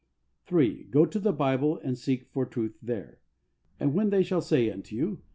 (3.) Go to the Bible and seek for truth there. " And when they shall say unto you.